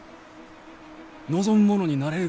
望む者になれるがやき！